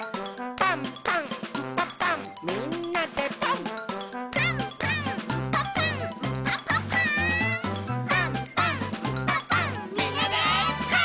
「パンパンんパパンみんなでパン！」